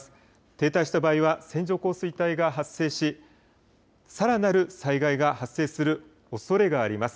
停滞した場合は線状降水帯が発生しさらなる災害が発生するおそれがあります。